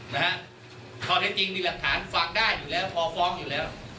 นะฮะข้อเท็จจริงมีหลักฐานฟังได้อยู่แล้วพอฟ้องอยู่แล้ว